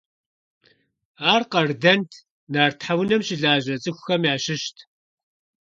Ар къардэнт, нарт тхьэунэм щылажьэ цӀыхухэм ящыщт.